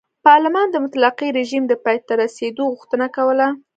پارلمان د مطلقه رژیم د پای ته رسېدو غوښتنه کوله.